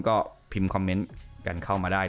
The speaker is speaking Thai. ก็พิมพ์คอมเมนต์กันเข้ามาได้